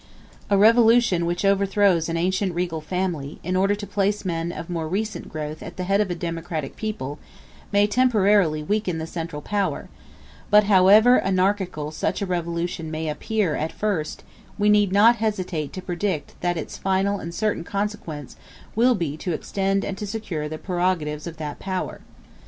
A revolution which overthrows an ancient regal family, in order to place men of more recent growth at the head of a democratic people, may temporarily weaken the central power; but however anarchical such a revolution may appear at first, we need not hesitate to predict that its final and certain consequence will be to extend and to secure the prerogatives of that power.